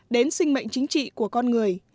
đến sinh mệnh chính trị của con người